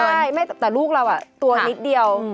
ใช่แต่ลูกเราตัวนิดเดียว